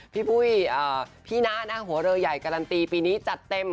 พี่ปุ้ยพี่นะหัวเรือใหญ่การันตีปีนี้จัดเต็ม